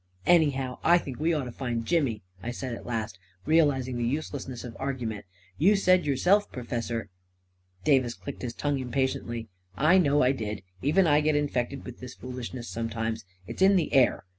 " Anyhow, I think we ought to find Jimmy," I said at last, realizing the uselessness of argument. " You said yourself, Professor ..." V P A KING IN BABYLON 31 * Davis clicked his tongue impatiently. " I know I did — even I get infected with this foolishness sometimes — it's in the air